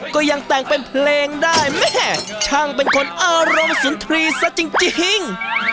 ก็ยังแต่งเป็นเพลงได้แม่ช่างเป็นคนอารมณ์สุนทรีย์ซะจริง